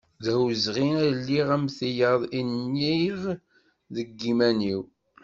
D awezɣi ad iliɣ am tiyaḍ i nniɣ deg yiman-iw.